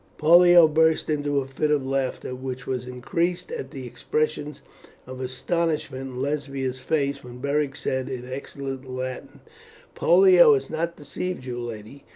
Pollio burst into a fit of laughter, which was increased at the expression of astonishment in Lesbia's face when Beric said, in excellent Latin, "Pollio has not deceived you, lady.